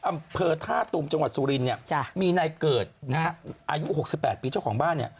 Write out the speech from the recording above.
อำเภอธาตุมจังหวัดสุรินมีในเกิดอายุ๖๘ปีเจ้าของบ้าน